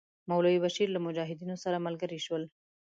مولوی بشیر له مجاهدینو سره ملګري شول.